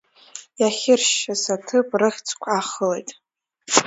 Иахьыршьыз аҭыԥ рыхьӡқәа ахылеит.